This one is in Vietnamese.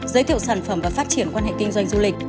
giới thiệu sản phẩm và phát triển quan hệ kinh doanh du lịch